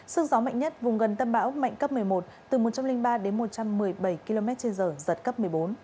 sức gió mạnh nhất vùng gần tâm bão mạnh cấp một mươi một từ một trăm linh ba đến một trăm một mươi bảy km trên giờ giật cấp một mươi bốn